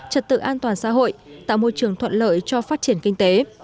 trật tự an toàn xã hội tạo môi trường thuận lợi cho phát triển kinh tế